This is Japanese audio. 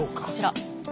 こちら。